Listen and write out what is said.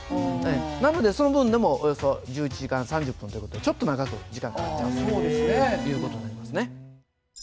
なのでその分でもおよそ１１時間３０分という事でちょっと長く時間かかっちゃうという事になりますね。